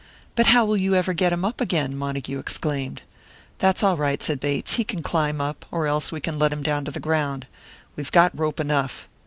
"But how will you ever get him up again?" Montague exclaimed. "That's all right," said Bates; "he can climb up, or else we can let him down to the ground. We've got rope enough."